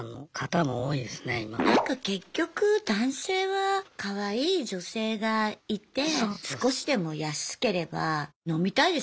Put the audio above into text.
なんか結局男性はかわいい女性がいて少しでも安ければ飲みたいですもんね。